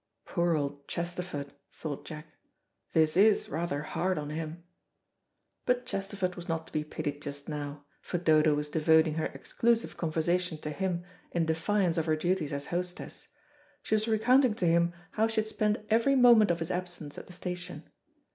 "Poor old Chesterford," thought Jack, "this is rather hard on him." But Chesterford was not to be pitied just now, for Dodo was devoting her exclusive conversation to him in defiance of her duties as hostess. She was recounting to him how she had spent every moment of his absence at the station.